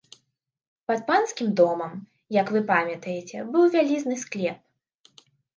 Пад панскім домам, як вы памятаеце, быў вялізны склеп.